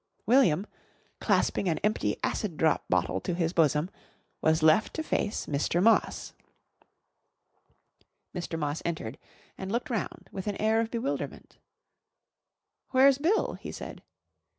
William, clasping an empty Acid Drop bottle to his bosom, was left to face Mr. Moss. Mr. Moss entered and looked round with an air of bewilderment. "Where's Bill?" he said.